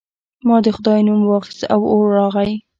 ما د خدای نوم واخیست او اور راغی.